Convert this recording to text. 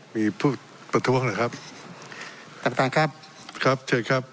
มีผู้ประท้วงหรือครับต่างต่างครับครับเชิญครับ